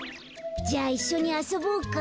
じゃあいっしょにあそぼうか。